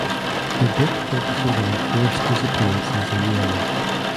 The book focuses on forced disappearances in Yemen.